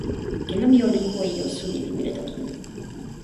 ken la mi o lipu e ijo suli pi wile toki mi.